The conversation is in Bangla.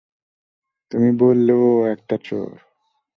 তুমি বললে ও একটা চোর!